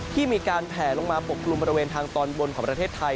ที่มีการแผลลงมาปกกลุ่มบริเวณทางตอนบนของประเทศไทย